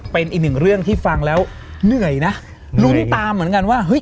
เป็นอีกหนึ่งเรื่องที่ฟังแล้วเหนื่อยนะลุ้นตามเหมือนกันว่าเฮ้ย